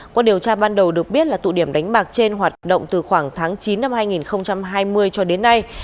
qua điều tra ban đầu được biết là tụ điểm đánh bạc trên hoạt động từ khoảng tháng chín năm hai nghìn hai mươi cho đến nay